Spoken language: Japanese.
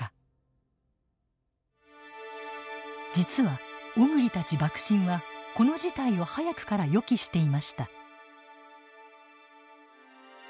実は小栗たち幕臣はこの事態を早くから予期していました。